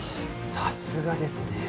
さすがですね